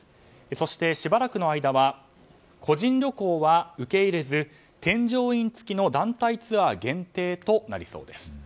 そして、しばらくの間は個人旅行は受け入れず添乗員付きの団体ツアー限定となりそうです。